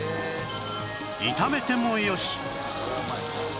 炒めてもよし！